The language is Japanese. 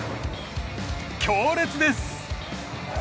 強烈です。